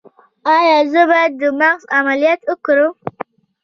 ایا زه باید د مغز عملیات وکړم؟